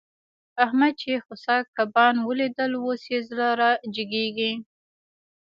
احمد چې خوسا کبان وليدل؛ اوس يې زړه را جيګېږي.